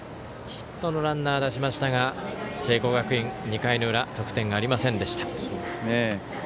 ヒットのランナーを出しましたが聖光学院、２回の裏得点がありませんでした。